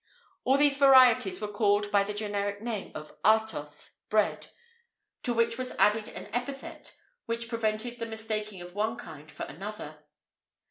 [IV 26] All these varieties were called by the generic name of artos, bread; to which was added an epithet which prevented the mistaking of one kind for another.